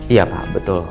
iya pak betul